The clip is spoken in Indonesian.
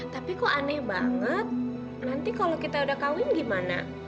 tapi kok aneh banget nanti kalau kita udah kawin gimana